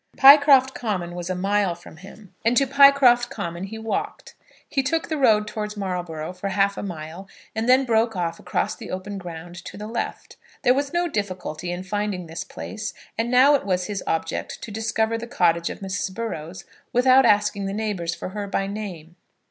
Pycroft Common was a mile from him, and to Pycroft Common he walked. He took the road towards Marlborough for half a mile, and then broke off across the open ground to the left. There was no difficulty in finding this place, and now it was his object to discover the cottage of Mrs. Burrows without asking the neighbours for her by name.